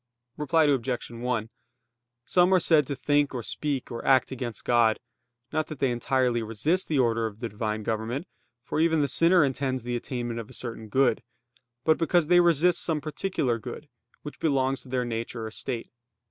Reply Obj. 1: Some are said to think or speak, or act against God: not that they entirely resist the order of the Divine government; for even the sinner intends the attainment of a certain good: but because they resist some particular good, which belongs to their nature or state.